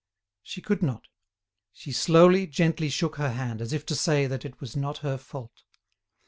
She could not; she slowly, gently shook her hand, as if to say that it was not her fault.